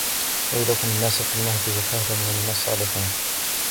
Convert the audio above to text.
ويكلم الناس في المهد وكهلا ومن الصالحين